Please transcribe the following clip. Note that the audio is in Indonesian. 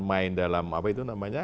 main dalam apa itu namanya